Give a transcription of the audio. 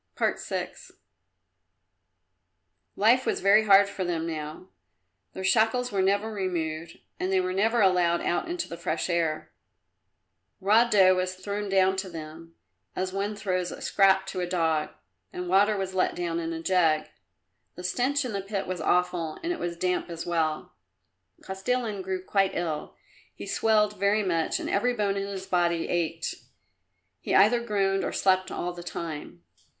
VI Life was very hard for them now. Their shackles were never removed, and they were never allowed out into the fresh air. Raw dough was thrown down to them, as one throws a scrap to a dog, and water was let down in a jug. The stench in the pit was awful and it was damp as well. Kostilin grew quite ill; he swelled very much and every bone in his body ached. He either groaned or slept all the time.